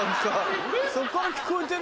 そこから聞こえてる？